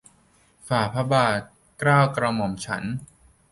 ฝ่าพระบาท เกล้ากระหม่อมฉัน